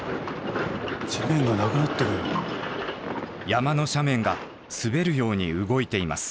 山の斜面が滑るように動いています。